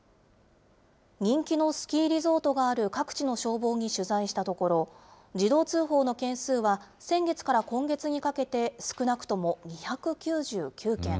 人気のスキーリゾートがある各地の消防に取材したところ、自動通報の件数は先月から今月にかけて少なくとも２９９件。